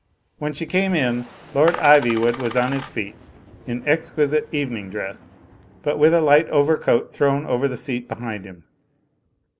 When she came in Lord Iv3nvood was on his feet, in exquisite evening dress, but with a light overcoat thrown over the seat behind him.